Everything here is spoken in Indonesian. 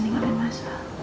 tapi aku gak mau maaf